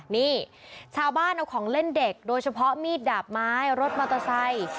นี่ชาวบ้านเอาของเล่นเด็กโดยเฉพาะมีดดาบไม้รถมอเตอร์ไซค์